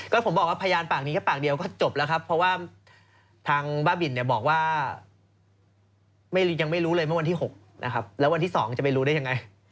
ก็ผมบอกว่าพยานปากนี้แค่ปากเดียวก็จบแล้วครับเพราะว่าทางบ้าบินเนี่ยบอกว่ายังไม่รู้เลยเมื่อวันที่๖นะครับแล้ววันที่๒จะไปรู้ได้ยังไง